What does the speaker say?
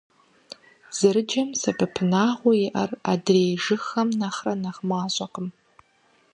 Зэрыджэм сэбэпынагъыу иӀэр адрей жыгхэм нэхърэ нэхъ мащӀэкъым.